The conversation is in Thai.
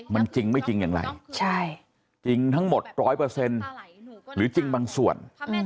มันจริงไม่จริงยังไงใช่จริงทั้งหมดร้อยเปอร์เซ็นต์หรือจริงบางส่วน